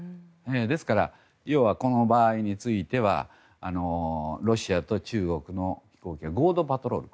ですから要は、この場合についてはロシアと中国の飛行機が合同パトロール。